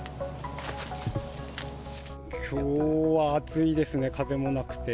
きょうは暑いですね、風もなくて。